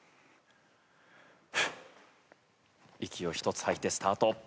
息を一つ吐いてスタート。